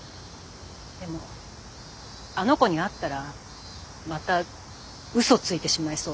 でもあの子に会ったらまたうそついてしまいそうで。